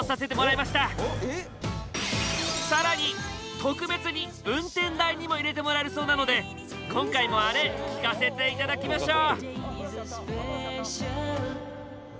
特別に運転台にも入れてもらえるそうなので今回もあれ聴かせて頂きましょう！